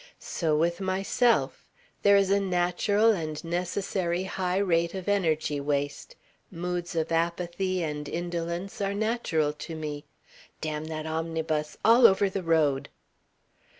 So with myself; there is a natural and necessary high rate of energy waste. Moods of apathy and indolence are natural to me. (Damn that omnibus! All over the road!)"